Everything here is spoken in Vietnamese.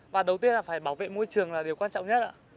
và đầu tiên là phải bảo vệ môi trường là điều quan trọng nhất ạ